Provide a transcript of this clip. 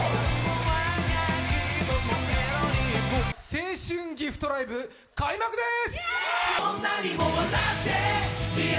青春ＧＩＦＴライブ開幕です！